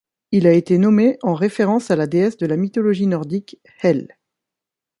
Il a été nommé en référence à la déesse de la mythologie nordique Hel.